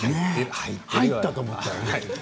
入ったと思ったよね。